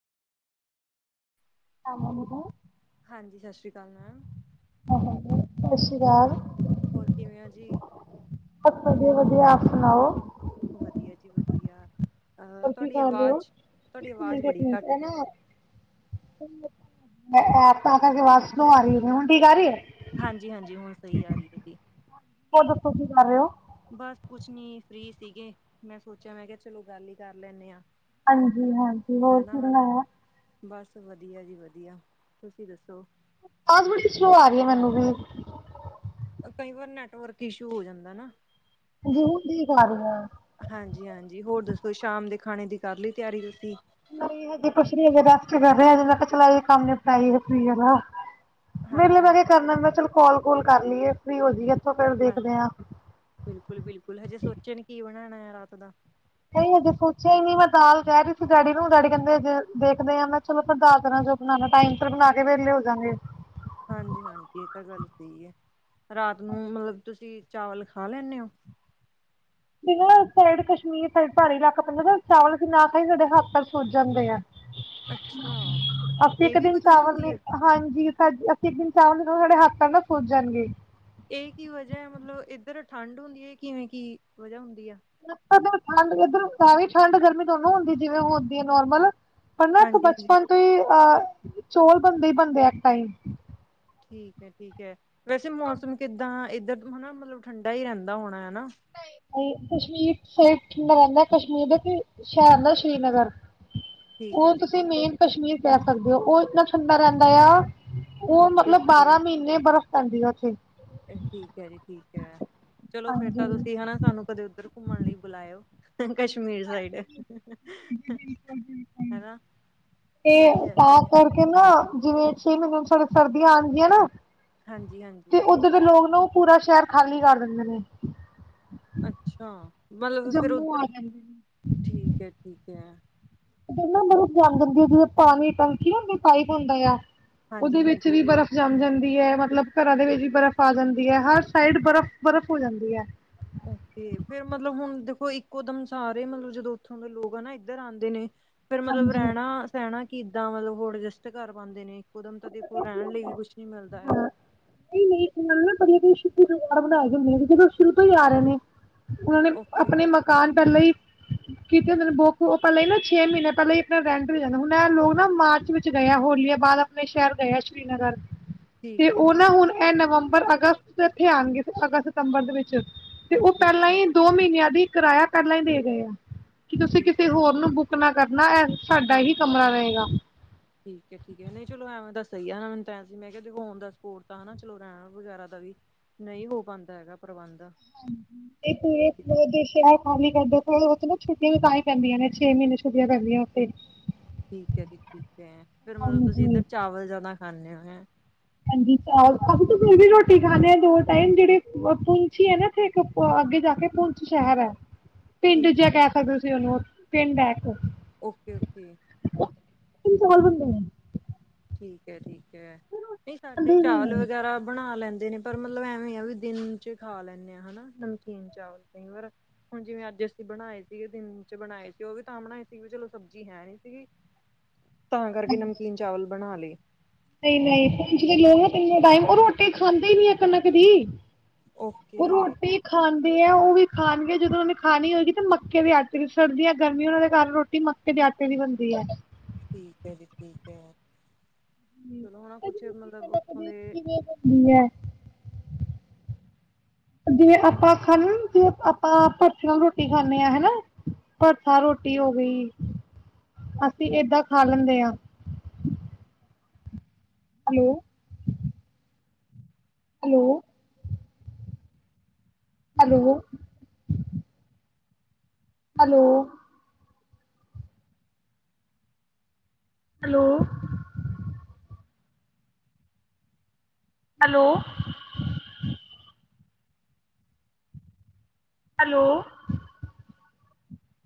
ਆਮਾ ਮੈਂ ਇੱਧਰ। ਹਾਂਜੀ ਸਤਿ ਸ੍ਰੀ ਅਕਾਲ। ਮੈਮ ਸਤਿ ਸ਼੍ਰੀ ਅਕਾਲ। ਹੋਰ ਕਿਵੇਂ ਹੋ ਜੀ? ਬਹੁਤ ਵਧੀਆ ਵਧੀਆ ਆਪ ਸੁਣਾਓ? ਵਧੀਆ ਜੀ ਵਧੀਆ। ਅਹ ਹੋਰ ਕੀ ਤੁਹਾਡੀ ਕਰ ਰਹੇ ਹੋ? ਆਵਾਜ਼ ਤੁਹਾਡੀ ਇਕ ਆਵਾਜ਼ ਮਿੰਟ ਇਕ ਬੜੀ ਮਿੰਟ ਘੱਟ ਜਾ ਰਹੀ ਹੈ ਮੈਂ ਆਦਤਾਂ ਕਰਕੇ ਬਸ ਤੋਂ ਆ ਰਹੀ ਹੁਣ ਠੀਕ ਆ ਰਹੀ ਹੈ? ਹਾਂਜੀ ਹਾਂਜੀ ਹੁਣ ਸਹੀ ਆ ਰਹੀ ਹੈ ਜੀ। ਤੁਸੀਂ ਕਰ ਰਹੇ ਹੋ ਹੋਏ? ਬਸ ਕੁਛ ਨੀ ਫ੍ਰਰੀ ਸੀਗੇ ਮੈਂ ਸੋਚਿਆ ਮੈਂ ਕਿਹਾ ਚਲੋ ਗੱਲ ਹੀ ਕਰ ਲੈਣੇ ਆ। ਹਾਂਜੀ ਹਾਂਜੀ ਹੋਰ ਕੀ ਬਣਾਇਆ? ਬਸ ਵਧੀਆ ਜੀ ਵਧੀਆ ਤੁਸੀਂ ਦੱਸੋ? ਆਹ ਥੋੜੀ ਸਲੋ ਆ ਰਹੀ ਹੈ ਮੈਨੂੰ ਵੀ? ਕਈ ਵਾਰ ਨੈਟਵਰਕ ਇਸ਼ੂ ਹੋ ਜਾਂਦਾ ਨਾ। ਹਾਂਜੀ ਹੁਣ ਠੀਕ ਆ ਰਹੀ ਹੈ ਹਾਂਜੀ ਹਾਂਜੀ ਹੋਰ ਦੱਸੋ ਸ਼ਾਮ ਦੇ? ਖਾਣੇ ਦੀ ਕਰ ਲਈ ਤਿਆਰੀ ਕੀਤੀ? ਨਹੀਂ ਹਜੇ ਕੁਛ ਨਹੀਂ ਕਰਿਆ ਰੈਸਟ ਕਰ ਰਹੀ ਹਾਂ ਮੈਂ ਕਿਹਾ ਚਲਾਈ ਕੰਮ ਨਿਪਟਾਈਏ ਰਸੋਈ ਵਾਲਾ। ਮੇਰੇ ਲਈ ਹਾਂਜੀ ਮੈਂ ਹਾਂ ਕਿਹਾ ਕਰਨਾ ਮੈਂ ਚਲੋ ਕੋਲ। ਕੋਲ ਕਰ ਲਈਏ ਫਰੀ ਹੋ ਜਾਈਏ। ਇੱਥੋਂ ਫਿਰ ਹਾਂਜੀ ਦੇਖਦੇ ਹਾਂ ਬਿਲਕੁਲ ਬਿਲਕੁਲ ਹਜੇ ਸੋਚ। ਸੋਚਿਆ ਨਹੀਂ ਕੀ ਬਣਾਉਣਾ ਹੈ ਰਾਤ ਦਾ। ਨਹੀਂ ਹਜੇ ਸੋਚਿਆ ਹੀ ਨਹੀਂ ਮੈਂ ਦਾਲ ਕਹਿ ਰਹੀ ਸੀ ਡੈਡੀ ਨੂੰ ਡੈਡੀ ਕਹਿੰਦੇ ਹਜੇ ਦੇਖਦੇ ਆ ਮੈਂ ਚਲੋ ਫਿਰ ਦਾਲ ਫਿਰ ਦੇਣਾ ਜੋ ਬਣਾਣਾ ਟਾਈਮ ਸਿਰ ਬਣਾ ਕੇ ਵੇਹਲੇ ਹੋਜਗੇ। ਹਾਂਜੀ ਹਾਂਜੀ ਇਹ ਤਾਂ ਗੱਲ ਸਹੀ ਹੈ ਰਾਤ ਨੂੰ ਮਤਲਬ ਤੁਸੀਂ ਚਾਵਲ ਖਾ ਲੈਂਦੇ ਹੋ? ਸਾਈਡ ਕਸ਼ਮੀਰ ਸਡ ਪਹਾਰੀ ਇਲਾਕਾ ਪਦਾ ਨਾ ਚਾਵਲ ਅਸੀਂ ਨਾ ਖਾਈ ਸਾਡੇ ਹੱਥ ਪੈਰ ਸੋਝੀ ਜਾਂਦੇ ਆ ਅੱਛਾ, ਅਸੀਂ ਇਹ ਇੱਕ ਵੀ ਦਿਨ ਕੋਈ ਹੋ ਚਾਵਲ ਜਾਂਦੀ ਮ ਆ? ਹਾਂਜੀ ਸਾ ਅਸੀਂ ਇੱਕ ਦਿਨ ਚਾਵਲ ਸਾਡੇ ਹੱਥਾਂ ਨਾਲ ਫੂਜ ਜਾਣਗੇ ਇਹ ਕੀ ਵਜਾ ਹੈ ਮਤਲਬ ਇੱਧਰ ਠੰਢ ਹੁੰਦੀ ਹੈ ਕਿਵੇਂ ਕੀ ਵਜਾ ਹੁੰਦੀ ਆ ਠੰਡ ਇੱਧਰਵੇ ਠੰਡ ਗਰਮੀ ਦੋਨੋਂ ਹੁੰਦੀ ਜਿਵੇਂ ਹੁੰਦੀ ਹੈ ਨੋਰਮਲ ਪਰ ਨਾ ਤ ਹਾਂਜੀ-ਹਾਂਜੀ। ਬਚਪਨ ਤੋਂ ਹੀ ਅ ਚੌਲ ਬਣਦੇ ਹੀ ਬਣਦੇ ਇੱਕ ਟਾਈਮ ਠੀਕ ਹੈ ਠੀਕ ਹੈ ਵੈਸੇ ਮੌਨਸੂਮ ਕਿੱਦਾਂ ਇੱਧਰ ਹਨਾ ਮਤਲਬ ਠੰਡਾ ਹੀ ਰਹਿੰਦਾ ਹੋਣਾ ਹੈ ਸ ਠੰਡਾ ਰਹਿੰਦਾ ਕਸ਼ਮੀਰ ਦੇ ਕਿ ਸ਼ਹਿਰ ਦਾ ਸ਼੍ਰੀਨਗਰ ਠੀਕ ਹੈ ਉਹ ਜੀ ਤੁਸੀਂ ਠੀਕ। ਮੇਨ ਕਸ਼ਮੀਰ ਕ ਸਕਦੇ ਹੋ ਉਹ ਇੰਨਾ ੁੰਦਾ ਰਹਿੰਦਾ ਆ ਉਹ ਮਤਲਬ ਓਕੇ-ਓਕੇ ਬਾਰਾਂ ਮਹੀਨੇ ਬਰਸ ਪੈਂਦੀ ਰਹਿੰਦੀ ਇਹ ਠੀਕ ਹੈ ਜੀ ਠੀਕ ਹੈ ਚਲੋ ਫੇਰ ਤਾਂ ਹਾਂਜੀ ਤੁਸੀਂ ਹਨਾ ਸਾਨੂੰ ਕਦੇ ਉੱਧਰ ਘੁੰਮਣ ਲਈ ਬੁਲਾਇਓ ਕਸ਼ਮੀਰ ਸਾਈਡ ਹੈ ਤੇ ਤਾਂ ਕਰਕੇ ਨਾ ਜਿਵੇਂ ਛੇ ਮੈਨੂੰ ੜ ਸਰਦੀਆਂ ਆਉਦੀਆਂ ਨਾ ਹਾਂਜੀ ਤੇ ਹਾਂਜੀ ਉੱਧਰ ਦੇ ਲੋਕ ਨਾ ਉਹ ਪੂਰਾ ਸ਼ਹਿਰ ਖਾਲੀ ਕਰ ਦਿੰਦੇ ਨੇ ਅੱਛਾ ਮਤਲਬ ਫੇਰ ਜੰਮੂ ਆ ਉੱਧਰ ਜਾਂਦੇ ਨੇ ਠੀਕ ਹੈ ਠੀਕ ਤੇ ਨਾਂ ਬ ਜਾਂ ਜਾਂਦੀ ਆ ਜਿਦੋਂ ਪਾਣੀ ਟੰਕੀ ਨਾ ਪਾਈਪ ਹੁੰਦਾ ਆ ਉਹਦੇ ਵਿੱਚ ਹਾਂਜੀ-ਹਾਂਜੀ ਵੀ ਬਰਫ਼ ਜਮ ਜਾਂਦੀ ਮਤਲਬ ਘਰਾਂ ਦੇ ਵਿੱਚ ਵੀ ਬਰਫ਼ ਆ ਜਾਂਦੀ ਹੈ ਹਰ ਸਾਈਡ ਬਰਫ਼ ਬਰਫ਼ ਹੋ ਜਾਂਦੀ ਹੈ ਓ ਫੇਿਰ ਮਤਲਬ ਹੁਣ ਦੇਖੋ ਇੱਕੋ ਦਮ ਸਾਰੇ ਮਤਲਬ ਜਦੋਂ ਉੱਥੋਂ ਦੇ ਲੋਕ ਆ ਨਾ ਇੱਧਰ ਆਉਂਦੇ ਨੇ ਫੇਿਰ ਮਤਲਬ ਹਾਂਜੀ ਰਹਿਣਾ ਸਹਿਣਾ ਕਿੱਦਾਂ ਮਤਲਬ ਉਹ ਅਡਜਸਟ ਕਰ ਪਾਉਂਦੇ ਨੇ ਕੁਦਮ ਤਾਂ ਦੇਖੋ ਪਤਾ ਕੀ ਰਹਿਣ ਲਈ ਹੁੰਦਾ ਵੀ ਕੁਛ ਨੀ ਮਿਲਦਾ ਹਾਂ ਹੈਗਾ ਨਹੀਂ ਨਹੀਂ ਇਹਨਾਂ ਨੇ ਨਾ ਸ਼ੁਰੂ ਤੋਂ ਹੀ ਆ ਰਹੇ ਨੇ ਉਹਨਾਂ ਨੇ ਓਕੇ ਆਪਣੇ ਮਕਾਨ ਪਹਿਲਾਂ ਹੀ ਕਿਤੇ ਮਨ ਬੋ ਪੈਲਾਂ ਈ ਨਾ ਛੇ ਮਿਨੇ ਪੈਲਾਂ ਈ ਅਪਣੇ ਰੈਂਟ ਵੀ ਜਾਂਦਾ ਹੁਣ ਐ ਲੋਕ ਨਾ ਮਾਰਚ ਵਿੱਚ ਗਏ ਹੋਲੀਆ ਬਾਅਦ ਆਪਣੇ ਸ਼ੈਰ ਗਏ ਐ ਸ਼੍ਰੀਨਗਰ ਠੀਕ ਤੇ ਹੈ ਜੀ ਓ ਨਾ ਠੀਕ ਹੈ ਹੁਣ ਐ ਨਵੰ ਅਗਸਤ ਇੱਥੇ ਆਉਣਗੇ ਅਗਸਤ ਸਤੰਬਰ ਦੇ ਵਿੱਚ ਤੇ ਓ ਪਹਿਲਾਂ ਓਕੇ-ਓਕੇ ਈ ਦੋ ਮਿਨਿਆ ਦੀ ਕਿਰਾਇਆ ਪਹਿਲਾਂ ਈ ਦੇ ਗਏ ਆ। ਕੀ ਤੁਸੀਂ ਠੀਕ ਕਿਸੇ ਹੈ ਹੋਰ ਠੀਕ ਹੈ, ਨੂੰ ਬੁੱਕ ਨਾ ਕਰਨਾ ਐ ਸਾਡਾ ਹੀ ਹਾਂਜੀ ਕਮਰਾ ਰਹੇਗਾ। ਸਈ ਆ ਨਾ ਮੈਨੂੰ ਤਾਂ ਐ ਸੀ ਮੈਂ ਕਾ ਦੇਖੋ ਔਨ ਦਾ ਸਪੋਰਟ ਤਾਂ ਹਨਾਂ ਚਲੋ ਰੈਣ ਵਗੈਰਾ ਦਾ ਵੀ ਨਈ ਹੋ ਪਾਂਦਾ ਹੈਗਾ ਪ੍ਰਬੰਧ ਹਾਂਜੀ ਏ ਠੀਕ ਹੈ ਤੇ [unintelligible] ਦੇਸ਼ ਆ ਖਾਲੀ ਕਰਦੋ [unintelligible] ਛੁੱਟੀਆਂ ਤਾਂ ਈ ਪੈਂਦੀਆਂ ਨੇ ਛੇ ਮਹੀਨੇ ਛੁੱਟੀਆਂ ਪੈਂਦੀਆਂ ਉੱਥੇ ਠੀਕ ਐ ਜੀ ਠੀਕ ਐ ਫੇਰ ਮਤਲਬ ਤੁਸੀਂ ਹਾਂਜੀ ਇੱਧਰ ਚਾਵਲ ਜਾਦਾ ਖਾਂਨੇ ਔ, ਹਾਂਜੀ, ਚਾਲ ਅਸੀ ਵੀ ਰੋਟੀ ਖਾਨੇ ਆ ਦੋ ਟਾਈਮ ਜੇੜ੍ਹੇ ਪੁੰਛੀ ਐ ਨਾ ਏਥੇ ਇੱਕ ਅੱਗੇ ਜਾ ਕੇ ਪੁੰਛੀ ਸ਼ਹਿਰ ਐ। ਪਿੰਡ ਜਾ ਕੇ ਸਕਦੇ ਔ ਉਨੁੰ ਔ। ਪਿੰਡ ਐ, ਓਕੇ ਓਕੇ, ਤੁ ਚੋਲ ਬਣਦੇ ਐ। ਠੀਕ ਐ ਠੀ ਕੈ ਨਈ ਖਾਂਦੇ ਸਾਡੇ ਹੀ ਚਾਵਲ ਨਹੀਂ ਹੈ ਵਗੈਰਾ ਬਣਾ ਲੈਂ ਦੇ ਨੇ ਪਰ ਮਤਲਬ ਐਵੇਂ ਆ ਵੀ ਦਿਨ ਚ ਖਾ ਲੈਂਨੇ ਆ ਹਨਾ ਨਮਕੀਨ ਚਾਵਲ ਕਈ ਵਾਰ ਹੁਣ ਜਿਵੇਂ ਅੱਜ ਅਸੀਂ ਬਣਾਏ ਸੀਗੇ ਦਿਨ ਚ ਬਣਾਏ ਸੀ ਔ ਵੀ ਤਾਂ ਬਣਾਏ ਸੀ ਵੀ ਚਲੋ ਸਬਜ਼ੀ ਹੈ ਨੀ ਸੀਗੀ ਤਾਂ ਕਰਕੇ ਨਮਕੀਨ ਚਾਵਲ ਬਣਾ ਲੇ। ਨਈ-ਨਈ ਪੂੰਛ ਦੇ ਲੋਕ ਤੀਨੋ ਟਾਈਮ ਔ ਰੋਟੀ ਖਾਂਦੇ ਈ ਨੀ ਐ ਕਣਕ ਦੀ। ਔ ਓਕੇ ਰੋਟੀ ਖਾ ਦੇ ਐ ਵੀ ਖਾਣਗੇ ਜਦੋਂ ਓਨੇ ਖਾਣੀ ਹੋਏਗੀ ਤੇ ਮੱਕੇ ਦੇ ਆਟੇ ਵੀ ਸਰਦੀਆਂ ਗਰਮੀ ਉਨਾਂ ਦੇ ਕਰ ਰੋਟੀ ਮੱਕੇ ਦੇ ਆਟੇ ਦੀ ਬਣਦੀ ਐ। ਠੀਕ ਐ ਜੀ ਠੀਕ ਐ। ਚਲੋ ਹਣਾ ਕੁੱਛ ਮਤਲਬ ਓਥੋਂ ਕਦੇ ਦੇ ਕਿਵੇਂ ਬਣਦੀ ਹੈ ਜਿਵੇਂ ਆਪਾਂ ਅੱਖਾਂ ਜੇ ਆਪਾਂ ਪਰਸ ਨਾ ਰੋਟੀ ਖਾਂਨੇ ਆ ਹਨਾ ਪਰਸਾ ਰੋਟੀ ਹੋ ਗੀ ਅਸੀਂ ਏਦਾਂ ਖਾ ਲੈਂਦੇ ਆ। Hello. Hello. Hello. Hello. Hello. Hello. Hello.